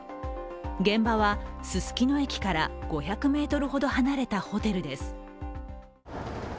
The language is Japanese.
現場は、すすきの駅から５００ｍほど離れたホテルです。